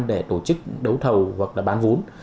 để tổ chức đấu thầu hoặc là bán vốn